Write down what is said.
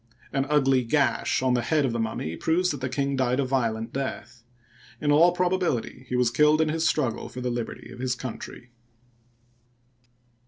An ugly gash on the head of the mummy proves that the king died a violent death. In all probability he was killed in his struggle for the liberty of his country.